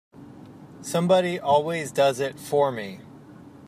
Somebody always does it for me.